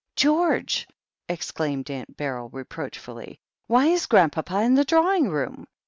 "George!" exclaimed Aunt Befyl reproachfully, "why is Grandpapa in the drawing room